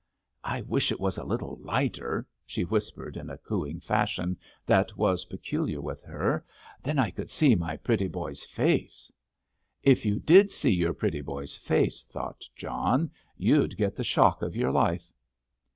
"I wish it was a little lighter," she whispered in a cooing fashion that was peculiar with her, "then I could see my pretty boy's face." "If you did see your pretty boy's face," thought John, "you'd get the shock of your life!"